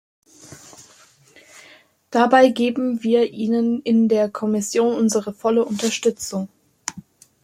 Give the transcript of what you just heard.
Dabei geben wir Ihnen in der Kommission unsere volle Unterstützung.